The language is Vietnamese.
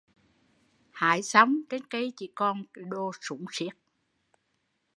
Hái xong, trên cây chỉ còn đồ sún siết